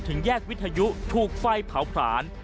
ถึงแยกวิทยุถูกไฟเผาผลาญ